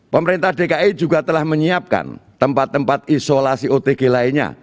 pemerintah dki juga telah menyiapkan tempat tempat isolasi otg lainnya